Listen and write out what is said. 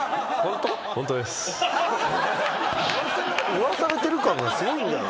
言わされてる感がすごいんだよな。